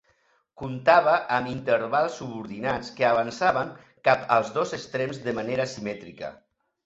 Comptava amb intervals subordinats que avançaven cap als dos extrems de manera simètrica.